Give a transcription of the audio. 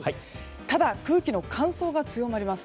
ただ、空気の乾燥が強まります。